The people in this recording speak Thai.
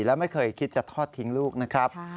และไม่เคยคิดจะทอดทิ้งลูกนะครับ